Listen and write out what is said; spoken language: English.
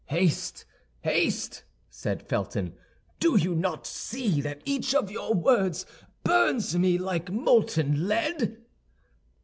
"Haste! haste!" said Felton; "do you not see that each of your words burns me like molten lead?"